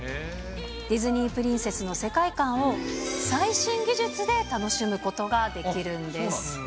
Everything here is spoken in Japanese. ディズニープリンセスの世界観を、最新技術で楽しむことができるんです。